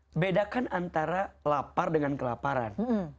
ya bedakan antara lapar dengan kelaparan